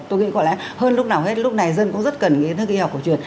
tôi nghĩ có lẽ hơn lúc nào hết lúc này dân cũng rất cần đến kiến thức y học cổ truyền